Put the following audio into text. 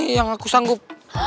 yang aku sanggup